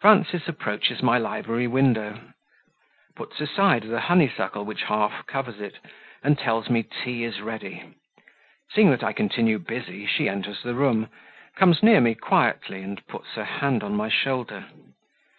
Frances approaches my library window; puts aside the honeysuckle which half covers it, and tells me tea is ready; seeing that I continue busy she enters the room, comes near me quietly, and puts her hand on my shoulder.